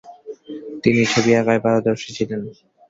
তিনি ছবি আঁকায় পারদর্শী ছিলেন।